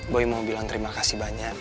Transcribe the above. boy mau bilang terima kasih banyak